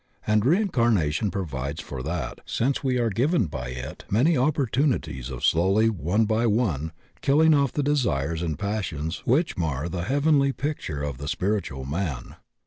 And reincarnation provides for that, since we are given by it many opportunities of slowly one by one, killing off the desires and passions which mar the heavenly picture of the spiritual man.